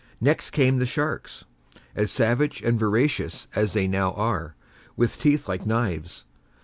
Next came the sharks, as savage and voracious as they now are, with teeth like knives.